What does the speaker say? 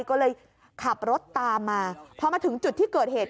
ก็เลยขับรถตามมาพอมาถึงจุดที่เกิดเหตุ